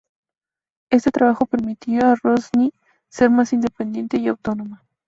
Este trabajo permitió a Rosanne ser más independiente y autónoma.